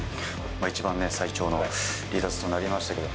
一番最長の離脱となりましたけど。